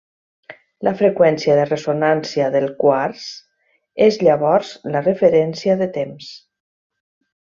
La freqüència de ressonància del quars és llavors la referència de temps.